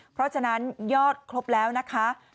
เพราะฉะนั้นยอดครบแล้วนะคะ